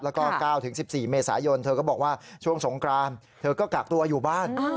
แล้วก็๙๑๔เมษายนเธอก็บอกว่าช่วงสงกรานเธอก็กักตัวอยู่บ้าน